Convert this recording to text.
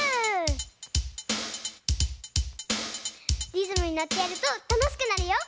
リズムにのってやるとたのしくなるよ！